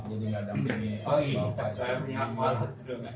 ia dari final